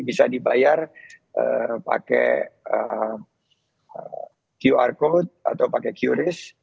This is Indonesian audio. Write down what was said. bisa dibayar pakai qr code atau pakai qris